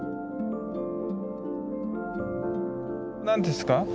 何ですか？